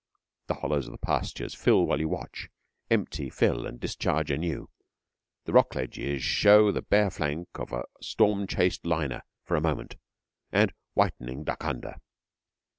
The hollows of the pasture fill while you watch; empty, fill, and discharge anew. The rock ledges show the bare flank of a storm chased liner for a moment, and whitening, duck under.